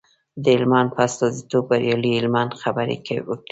د هلمند په استازیتوب بریالي هلمند خبرې وکړې.